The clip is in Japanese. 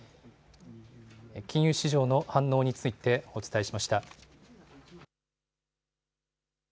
金融市場の反応についてお伝えしました。